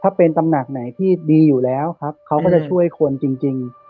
ถ้าเป็นตำหนักไหนที่ดีอยู่แล้วครับเขาก็จะช่วยคนจริง